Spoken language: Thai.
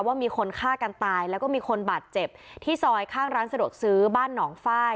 ว่ามีคนฆ่ากันตายแล้วก็มีคนบาดเจ็บที่ซอยข้างร้านสะดวกซื้อบ้านหนองฟ้าย